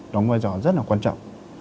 đóng vai trò rất là quan trọng